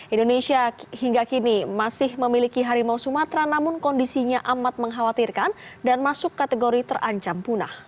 indonesia hingga kini masih memiliki harimau sumatera namun kondisinya amat mengkhawatirkan dan masuk kategori terancam punah